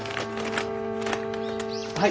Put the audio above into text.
はい。